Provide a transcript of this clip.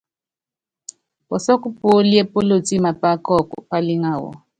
Pɔsɔ́kɔ́ puólíe póyótí mapá kɔ́ɔku, pálíŋa wɔ.